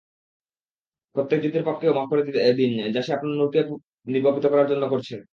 প্রত্যেক যুদ্ধের পাপকেও মাফ করে দিন যা সে আপনার নূরকে নির্বাপিত করার জন্য করছে।